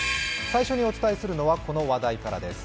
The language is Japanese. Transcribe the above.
最初にお伝えするのは、この話題からです。